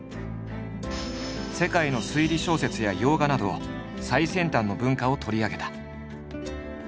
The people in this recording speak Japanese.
世界の推理小説や洋画など最先端の文化を取り上げた。